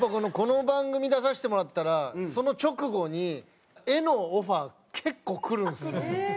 この番組出させてもらったらその直後に絵のオファー結構来るんですよ。